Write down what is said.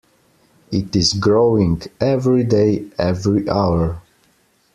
It is growing, every day, every hour.